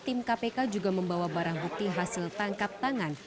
tim kpk juga membawa barang bukti hasil tangkap tangan